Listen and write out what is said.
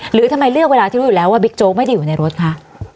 หรือทำไมเลือกเวลาที่รู้อยู่แล้วว่าบิ๊กโจ๊กไม่ได้อยู่ในรถคะ